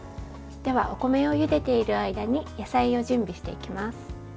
では、お米をゆでている間に野菜を準備していきます。